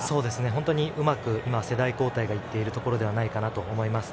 本当にうまく世代交代ができているところではないかなと思います。